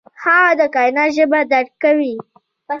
هغه د کائنات ژبه درک کوي.